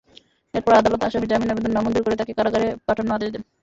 এরপর আদালত আসামির জামিন আবেদন নামঞ্জুর করে তাঁকে কারাগারে পাঠানোর আদেশ দেন।